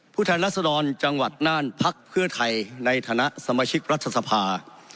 ผู้ทานรัฐศรรณจังหวัดนานพรรคเพื่อไทยในฐานะสมาชิกรัฐสภา